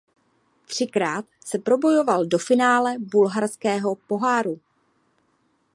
Třikrát se probojoval do finále bulharského poháru.